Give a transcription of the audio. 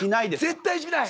絶対しない。